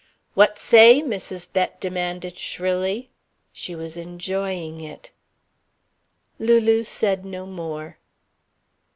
"What say?" Mrs. Bett demanded shrilly. She was enjoying it. Lulu said no more.